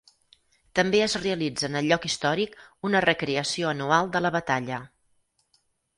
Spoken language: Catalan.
També es realitza en el lloc històric una recreació anual de la batalla.